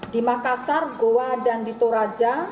di makassar goa dan di toraja